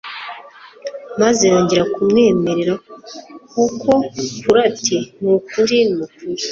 maze yongera kumwemerera uko kuri ati: "Ni ukuri, ni ukuri